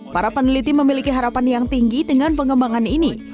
para peneliti memiliki harapan yang tinggi dengan pengembangan ini